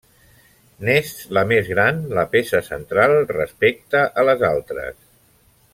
N'és la més gran la peça central respecte a les altres.